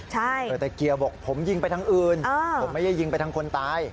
แต่เกียร์บอกผมยิงไปทางอื่นผมไม่ได้ยิงไปทางคนตาย